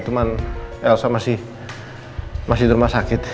cuman elsa masih masih di rumah sakit